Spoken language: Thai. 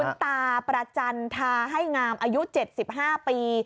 คุณตาประจันทาให้งามอายุ๗๕ปี